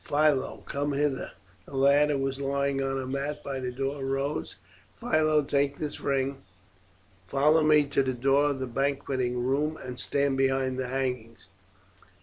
Philo, come hither!" The lad, who was lying on a mat by the door, rose. "Philo, take this ring. Follow me to the door of the banqueting room, and stand behind the hangings.